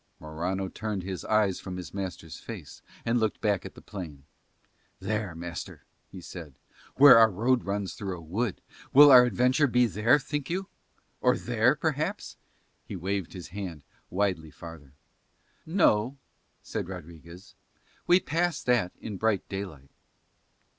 Morano turned his eyes from his master's face and looked back to the plain. "There, master," he said, "where our road runs through a wood, will our adventure be there, think you? Or there, perhaps," and he waved his hand widely farther. "No," said Rodriguez, "we pass that in bright daylight."